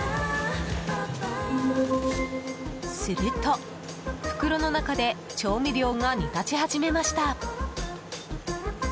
すると、袋の中で調味料が煮立ち始めました。